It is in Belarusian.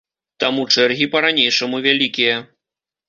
Таму чэргі па-ранейшаму вялікія.